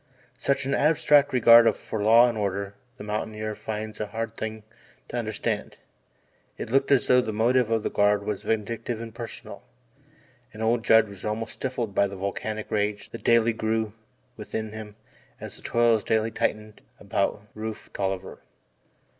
Such an abstract regard for law and order the mountaineer finds a hard thing to understand. It looked as though the motive of the Guard was vindictive and personal, and old Judd was almost stifled by the volcanic rage that daily grew within him as the toils daily tightened about Rufe Tolliver.